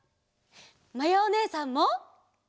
まやおねえさんも！